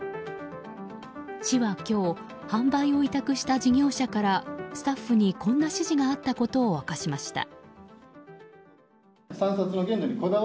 市は今日販売を委託した事業者からスタッフに、こんな指示があったことを明かしました。